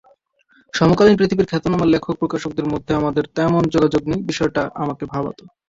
সমকালীন পৃথিবীর খ্যাতনামা লেখক-প্রকাশকদের সঙ্গে আমাদের তেমন যোগাযোগ নেই—বিষয়টি আমাকে ভাবাত।